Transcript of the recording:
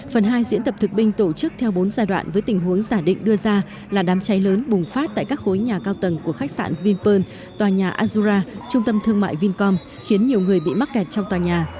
phần hai diễn tập thực binh tổ chức theo bốn giai đoạn với tình huống giả định đưa ra là đám cháy lớn bùng phát tại các khối nhà cao tầng của khách sạn vinpearl tòa nhà azura trung tâm thương mại vincom khiến nhiều người bị mắc kẹt trong tòa nhà